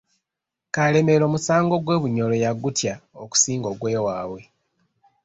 Kalemeera omusango gw'e Bunyoro yagutya okusinga ogw'ewaabwe.